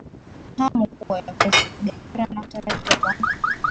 hamu kubwa ya kuweza kupiga kura na kutarajia kwamba